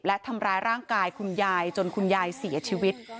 และทำร้ายร่างกายคุณยายจนคุณยายเสียชีวิต